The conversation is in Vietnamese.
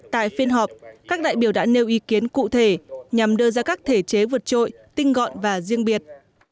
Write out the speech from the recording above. tại phiên họp các đại biểu đã nêu ý kiến cụ thể nhằm đưa ra các thể chế vượt trội tinh gọn và riêng biệt